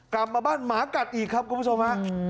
กลับมาบ้านหมากัดอีกครับคุณผู้ชมฮะ